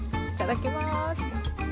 いただきます。